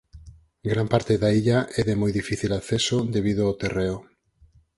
Gran parte da illa é de moi difícil acceso debido ao terreo.